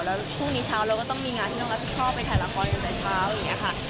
แล้วพรุ่งนี้เช้าเราก็ต้องมีงานที่ต้องรับผิดชอบไปถ่ายละครกันแต่เช้าอย่างนี้ค่ะ